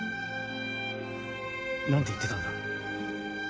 何て言ってたんだ？